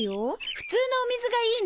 普通のお水がいいのよ。